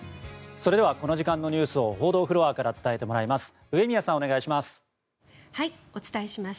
それではこの時間のニュースを報道フロアから伝えてもらいます上宮さん、お願いします。